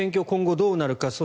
今後どうなるか。